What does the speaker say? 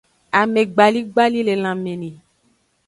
Amegbaligbali le lanme ni.